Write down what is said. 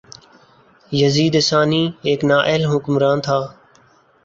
یزید ثانی ایک نااہل حکمران تھا